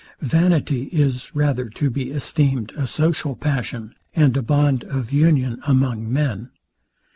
Vanity is rather to be esteemed a social passion, and a bond of union among men.